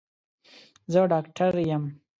زه ډاکټر يم.